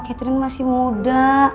ketri masih muda